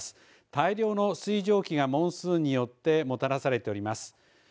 大量の水蒸気がモンスーンによってもたらされています。